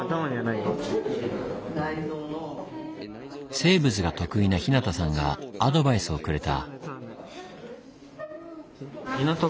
生物が得意な日向さんがアドバイスをくれた。